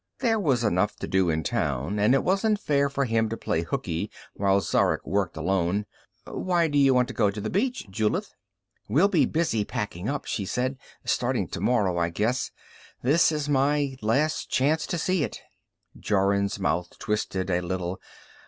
There was enough to do in town, and it wasn't fair for him to play hooky while Zarek worked alone. "Why do you want to go to the beach, Julith?" "We'll be busy packing up," she said. "Starting tomorrow, I guess. This is my last chance to see it." Jorun's mouth twisted a little.